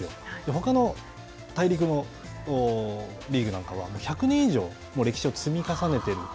ほかの大陸のリーグなんかは１００年以上の歴史を積み重ねている。